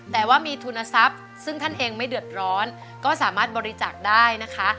แต่ว่ามีทุนทรัพย์ซึ่งท่านเองไม่เดือดร้อนก็สามารถบริจาคได้นะคะ